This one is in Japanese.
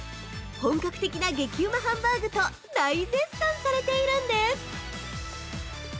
本格的な激うまハンバーグと大絶賛されているんです。